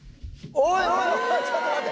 おい！